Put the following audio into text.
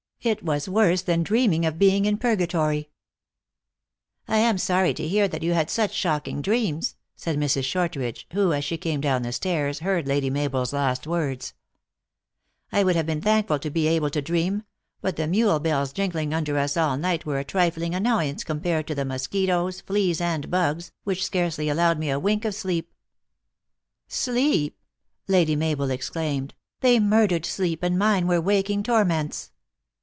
It was worse than dreaming of being in purgatory !"" I am sorry to hear that you had such shocking dreams," said Mrs. Shortridge, who, as she came down the stairs, heard Lady Mabel s last words, " I would have been thankful to be able to dream ; but the mule bells jingling under us all night were a trifling annoyance compared to the mosquitos, fleas, and bugs, which scarcely allowed me a wink of sleep." " Sleep !" Lady Mabel exclaimed, " they murdered sleep, and mine were waking torments."